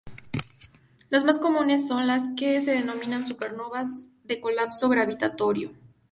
Las más comunes son las que se denominan supernovas de colapso gravitatorio.